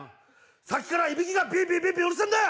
さっきからいびきがピーピーピーピーうるせえんだ！